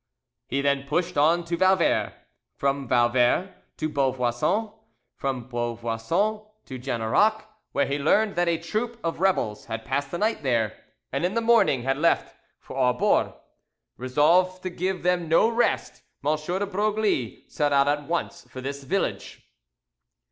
He then pushed on to Vauvert, from Vauvert to Beauvoisin, from Beauvoisin to Generac, where he learned that a troop of rebels had passed the night there, and in the morning had left for Aubore. Resolved to give them no rest, M. de Broglie set out at once for this village.